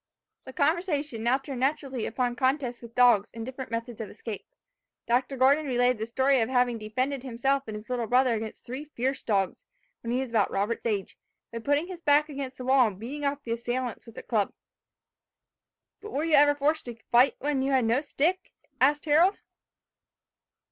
The conversation now turned naturally upon contests with dogs, and different methods of escape. Dr. Gordon related the story of his having defended himself and his little brother against three fierce dogs, when he was about Robert's age, by putting his back against a wall, and beating off the assailants with a club. "But were you ever forced to fight them when you had no stick?" asked Harold.